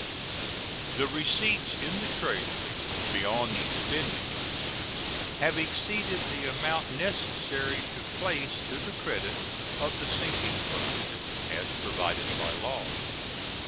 The receipts in the Treasury beyond expenditures have exceeded the amount necessary to place to the credit of the sinking fund, as provided by law.